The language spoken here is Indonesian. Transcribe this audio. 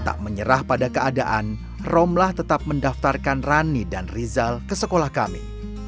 tak menyerah pada keadaan romlah tetap mendaftarkan rani dan rizal ke sekolah kami